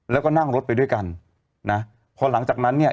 แล้วก็นั่งรถไปด้วยกันนะพอหลังจากนั้นเนี่ย